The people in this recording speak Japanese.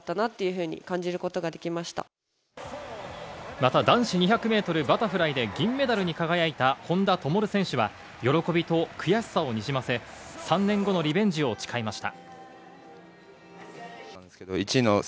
また、男子２００ｍバタフライで銀メダルに輝いた本多灯選手は喜びと悔しさをにじませ、３年後のリベンジを誓いました。